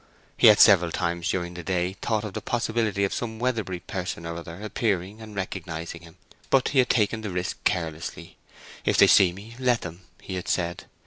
He had several times during the day thought of the possibility of some Weatherbury person or other appearing and recognizing him; but he had taken the risk carelessly. If they see me, let them, he had said.